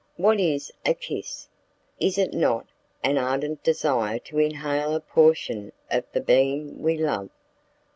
What is a kiss? Is it not an ardent desire to inhale a portion of the being we love?